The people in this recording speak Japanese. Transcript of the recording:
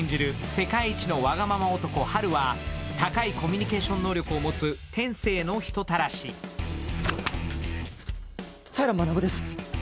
世界一のワガママ男ハルは高いコミュニケーション能力を持つ天性の人たらし平学です